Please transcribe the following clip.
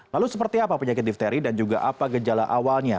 lalu seperti apa penyakit difteri dan juga apa gejala awalnya